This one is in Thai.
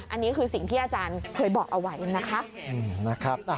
อันนี้คือสิ่งที่อาจารย์เคยบอกเอาไว้นะคะ